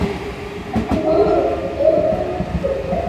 বেদ ও পুরাণ শাস্ত্র অনুসারে, ব্রহ্মা দেবতাদের বিষয়ে হস্তক্ষেপ বেশি করেন।